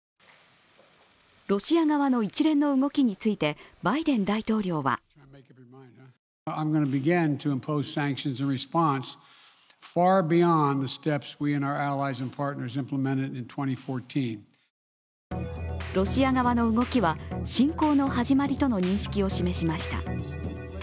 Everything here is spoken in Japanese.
ロシア側の一連の動きについてバイデン大統領はロシア側の動きは侵攻の始まりとの認識を示しました。